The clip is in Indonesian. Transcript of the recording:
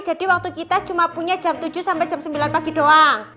jadi waktu kita cuma punya jam tujuh sampe jam sembilan pagi doang